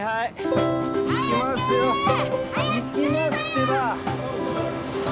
行きますってば！